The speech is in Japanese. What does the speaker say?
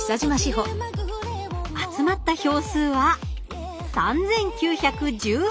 集まった票数は３，９１８票！